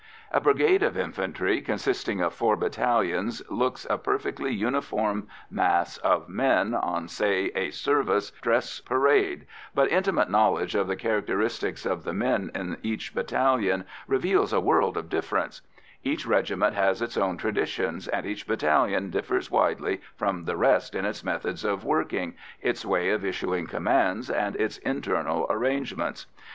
A brigade of infantry, consisting of four battalions, looks a perfectly uniform mass of men on, say, a service, dress parade, but intimate knowledge of the characteristics of the men in each battalion reveals a world of difference; each regiment has its own traditions, and each battalion differs widely from the rest in its methods of working, its way of issuing commands, and its internal arrangements.